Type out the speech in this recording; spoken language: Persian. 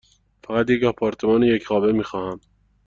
فقط یک آپارتمان یک خوابه می خواهم.